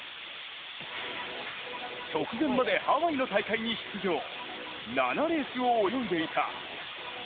直前までハワイの大会に出場７レースを泳いでいた。